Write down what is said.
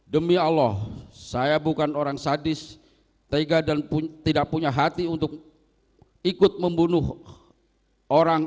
demi allah saya bukan orang sadis tega dan tidak punya hati untuk ikut membunuh orang